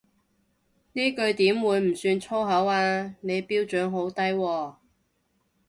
呢句點會唔算粗口啊，你標準好低喎